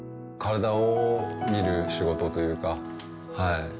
体をみる仕事というかはい。